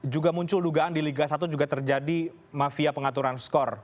juga muncul dugaan di liga satu juga terjadi mafia pengaturan skor